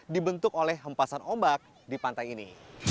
dibentuk oleh hempasan ombak di pantai ini